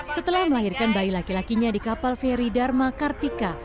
setelah melahirkan bayi laki lakinya di kapal feri dharma kartika